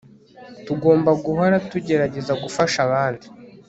Tugomba guhora tugerageza gufasha abandi